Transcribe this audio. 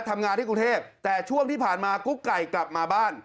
ทำงานที่กรุงเทพแต่ช่วงที่ผ่านมากุ๊กไก่กลับมาบ้าน